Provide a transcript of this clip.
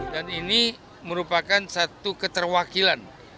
dan ini merupakan satu keterwakilan